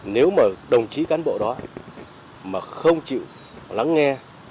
nếu mà đồng chí cán bộ đó mà không chịu lắng nghe